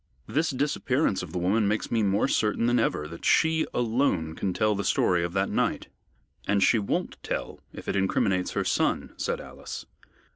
This disappearance of the woman makes me more certain than ever that she alone can tell the story of that night." "And she won't tell it if it incriminates her son," said Alice.